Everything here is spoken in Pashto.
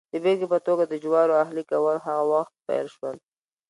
د بېلګې په توګه د جوارو اهلي کول هغه وخت پیل شول